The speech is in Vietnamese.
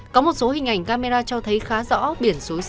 có một số hình ảnh camera cho thấy khá rõ biển số xe của đối tượng